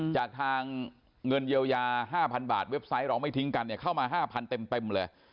จากทางเงินเยียวยา๕๐๐๐บาทเว็บไซต์เราไม่ทิ้งกันเนี่ยเข้ามา๕๐๐เต็มเลย